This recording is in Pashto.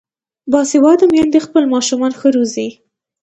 باسواده میندې خپل ماشومان ښه روزي.